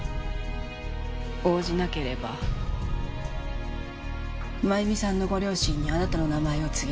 応じなければ真由美さんのご両親にあなたの名前を告げる。